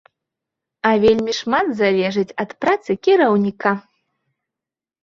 А вельмі шмат залежыць ад працы кіраўніка.